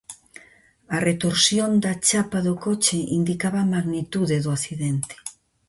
A retorsión da chapa do coche indicaba a magnitude do accidente.